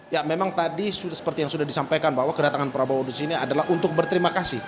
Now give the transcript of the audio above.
ya memang tadi seperti yang sudah disampaikan bahwa kedatangan prabowo di sini adalah untuk berterima kasih